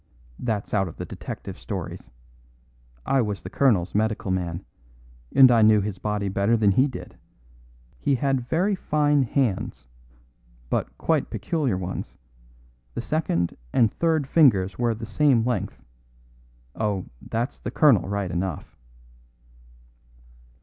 "That's out of the detective stories. I was the colonel's medical man, and I knew his body better than he did. He had very fine hands, but quite peculiar ones. The second and third fingers were the same length. Oh, that's the colonel right enough."